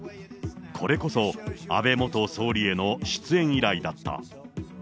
これこそ、安倍元総理への出演依頼だった。